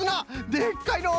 でっかいのう！